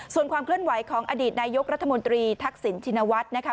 ส่วนความเคลื่อนไหวของอดีตนายกรัฐมนตรีทักษิณชินวัฒน์นะคะ